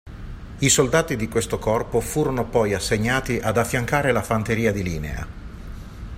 I soldati di questo corpo furono poi assegnati ad affiancare la fanteria di linea.